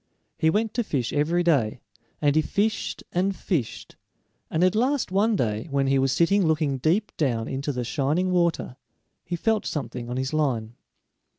He went to fish every day, and he fished and fished, and at last one day, when he was sitting looking deep down into the shining water, he felt something on his line.